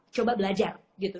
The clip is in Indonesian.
coba belajar gitu